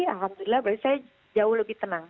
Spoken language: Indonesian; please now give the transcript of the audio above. alhamdulillah berarti saya jauh lebih tenang